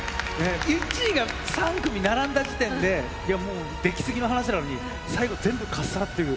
１位が３組並んだ時点でできすぎな話なのに最後全部かっさらっていく。